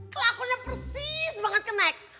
kelakunya persis banget kenek